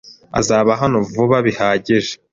azaba hano vuba bihagije.